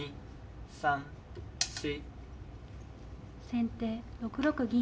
先手６六銀。